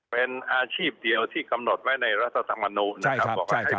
เป็นอาชีพเดียวที่กำหนดไว้ในรัฐธรรมนุมนะครับใช่ครับใช่ครับ